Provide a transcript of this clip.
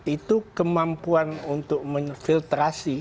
itu kemampuan untuk memfiltrasi